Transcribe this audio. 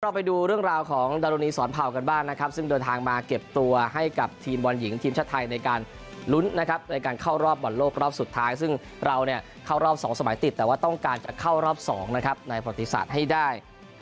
ไปดูเรื่องราวของดารุณีสอนเผ่ากันบ้างนะครับซึ่งเดินทางมาเก็บตัวให้กับทีมบอลหญิงทีมชาติไทยในการลุ้นนะครับในการเข้ารอบบอลโลกรอบสุดท้ายซึ่งเราเนี่ยเข้ารอบ๒สมัยติดแต่ว่าต้องการจะเข้ารอบ๒นะครับในประติศาสตร์ให้ได้